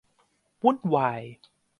วุ่นวาย